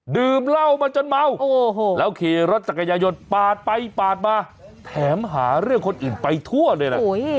ดื่มเหล้ามาจนเมาแล้วขี่รถจักรยายนปาดไปปาดมาแถมหาเรื่องคนอื่นไปทั่วเลยนะ